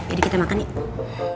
ini makanan aja